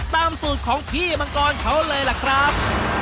ตามสูตรของพี่มังกรเขาเลยล่ะครับ